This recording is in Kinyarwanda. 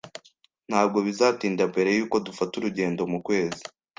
Ntabwo bizatinda mbere yuko dufata urugendo mukwezi.